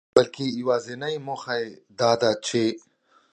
بلکي يوازنۍ موخه يې داده چي